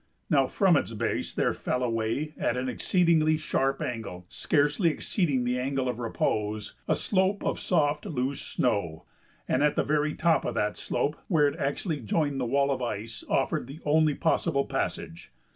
Now from its base there fell away at an exceedingly sharp angle, scarcely exceeding the angle of repose, a slope of soft, loose snow, and the very top of that slope where it actually joined the wall of ice offered the only possible passage.